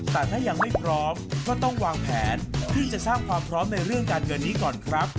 แต่ถ้ายังไม่พร้อมก็ต้องวางแผนที่จะสร้างความพร้อมในเรื่องการเงินนี้ก่อนครับ